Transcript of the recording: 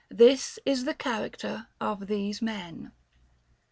This is the character of these men.